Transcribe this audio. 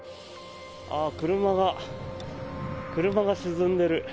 あ、車が沈んでる。